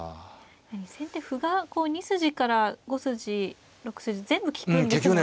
先手歩が２筋から５筋６筋全部利くんですよね。